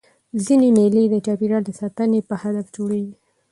ځيني مېلې د چاپېریال د ساتني په هدف جوړېږي.